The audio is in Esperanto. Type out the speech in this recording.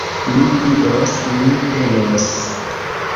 Mi vidos, mi penos.